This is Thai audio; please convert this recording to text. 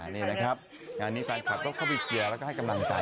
นี่นะครับงานนี้แฟนคลับก็เข้าไปเชียร์แล้วก็ให้กำลังใจ